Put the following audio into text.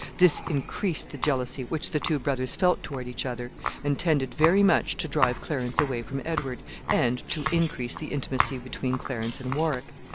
This increased the jealousy which the two brothers felt toward each other, and tended very much to drive Clarence away from Edward, and to increase the intimacy between Clarence and Warwick.